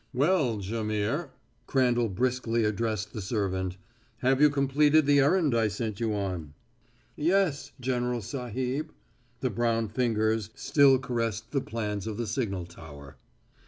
"Well, Jaimihr," Crandall briskly addressed the servant, "have you completed the errand I sent you on?" "Yes, General Sahib." The brown fingers still caressed the plans of the signal tower.